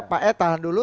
pak ed tahan dulu